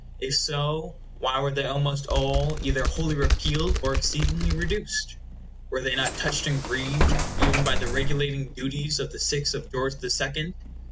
If so, why were they almost all either wholly repealed, or exceedingly reduced? Were they not touched and grieved even by the regulating duties of the sixth of George the Second?